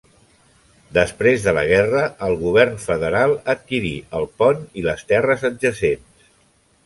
Després de la guerra, el Govern Federal adquirí el pont i les terres adjacents.